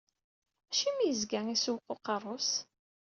Acimi yezga isewweq uqerru-s?